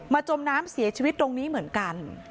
จมน้ำเสียชีวิตตรงนี้เหมือนกัน